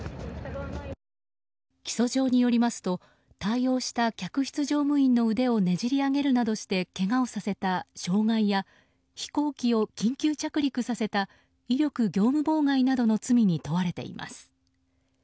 起訴状によりますと対応した客室乗務員の腕をねじり上げるなどしてけがをさせた傷害や飛行機を緊急着陸させた威力業務妨害などの罪に問われています。